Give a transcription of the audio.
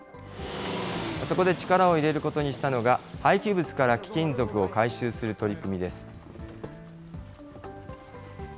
そこで力を入れることにしたのが、廃棄物から貴金属を回収する取り組みです。